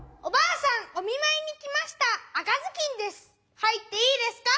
はいっていいですか？